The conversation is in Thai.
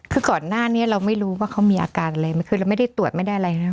คือก่อนหน้านี้เราไม่รู้ว่าเขามีอาการอะไรคือเราไม่ได้ตรวจไม่ได้อะไรนะ